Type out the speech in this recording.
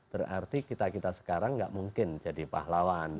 berarti kita kita sekarang nggak mungkin jadi pahlawan